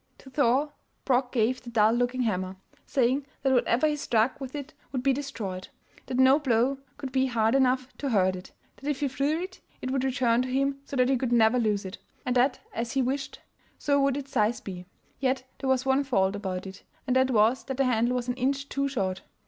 To Thor Brok gave the dull looking hammer, saying, that whatever he struck with it would be destroyed; that no blow could be hard enough to hurt it; that if he threw it, it would return to him so that he could never lose it; and that as he wished so would its size be yet there was one fault about it, and that was that the handle was an inch too short.